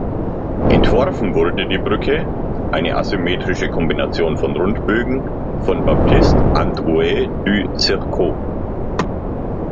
Entworfen wurde die Brücke, eine asymmetrische Kombination von Rundbögen, von Baptiste Androuet du Cerceau.